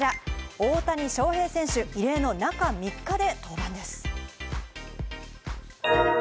大谷翔平選手、異例の中３日で登板です。